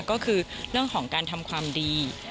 ก็คือเรื่องของการทำความดี